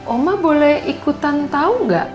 oma boleh ikutan tahu nggak